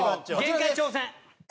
限界挑戦。